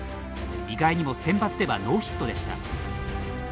意外にも、センバツではノーヒットでした。